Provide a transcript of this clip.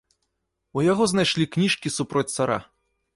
У яго знайшлі кніжкі супроць цара.